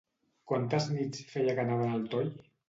Quantes nits feia que anaven al toll?